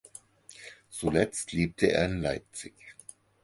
Zuletzt lebte er in Leipzig.